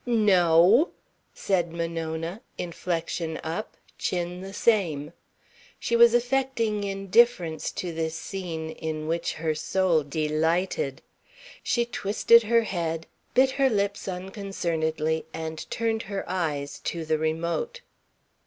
"No," said Monona, inflection up, chin the same. She was affecting indifference to this scene, in which her soul delighted. She twisted her head, bit her lips unconcernedly, and turned her eyes to the remote.